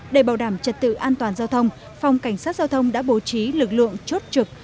để bảo đảm trật tự an toàn giao thông phòng cảnh sát giao thông đã bố trí lực lượng chốt trực